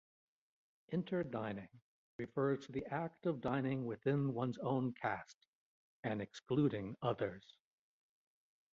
Inter-dining refers to the act of dining within one's own caste, and excluding others.